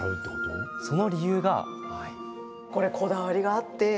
その理由が。